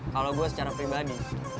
kalau gue secara pribadi